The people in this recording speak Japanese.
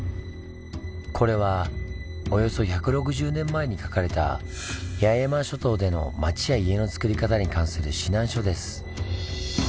これはおよそ１６０年前に書かれた八重山諸島での町や家のつくり方に関する指南書です。